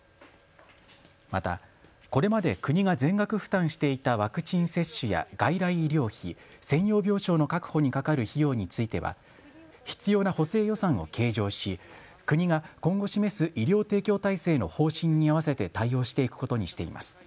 またこれまで国が全額負担していたワクチン接種や外来医療費、専用病床の確保にかかる費用については必要な補正予算を計上し国が今後示す医療提供体制の方針に合わせて対応していくことにしています。